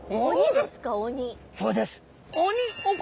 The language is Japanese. そうです！